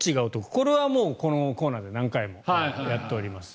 これはこのコーナーで何回もやっております。